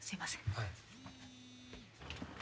はい。